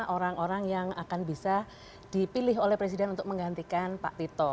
orang orang yang akan bisa dipilih oleh presiden untuk menggantikan pak tito